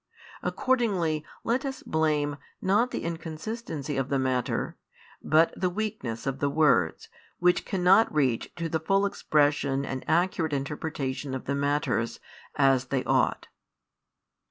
Accordingly let us blame, not the inconsistency of the matter, but the weakness of the words, which cannot reach to the full expression and accurate interpretation of the matters, as they ought.